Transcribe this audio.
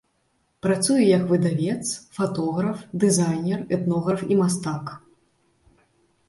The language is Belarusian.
Працуе як выдавец, фатограф, дызайнер, этнограф і мастак.